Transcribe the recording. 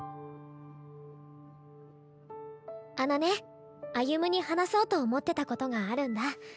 あのね歩夢に話そうと思ってたことがあるんだ。